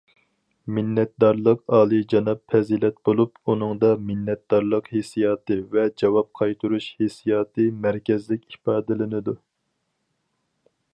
مىننەتدارلىق ئالىيجاناب پەزىلەت بولۇپ، ئۇنىڭدا مىننەتدارلىق ھېسسىياتى ۋە جاۋاب قايتۇرۇش ھېسسىياتى مەركەزلىك ئىپادىلىنىدۇ.